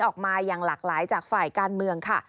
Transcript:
ออกมาอย่างหลากหลายจากฝ่ายการเมืองค่ะ